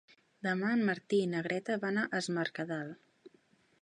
Demà en Martí i na Greta van a Es Mercadal.